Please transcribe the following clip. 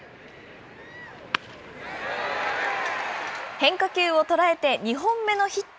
変化球を捉えて、２本目のヒット。